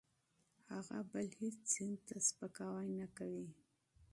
هغه بل هېڅ دین ته سپکاوی نه کوي.